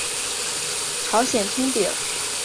朝鲜葱饼。